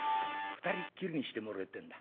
２人っきりにしてもらいてえんだ。